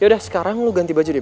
yaudah sekarang lo ganti baju deh